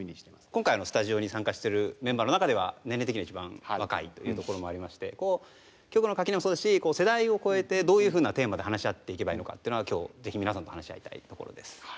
今回のスタジオに参加しているメンバーの中では年齢的には一番若いというところもありまして局の垣根もそうですし世代を超えてどういうふうなテーマで話し合っていけばいいのかっていうのが今日ぜひ皆さんと話し合いたいところです。